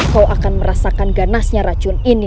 kau akan merasakan ganasnya racun ini